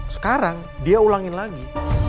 sekarang dia ulangin lagi